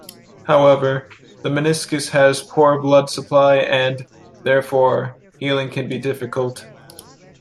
However, the meniscus has poor blood supply, and, therefore, healing can be difficult.